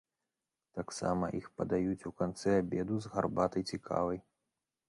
Таксама іх падаюць у канцы абеду з гарбатай ці кавай.